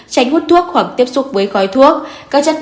tránh hút thuốc hoặc tiếp xúc với khói thuốc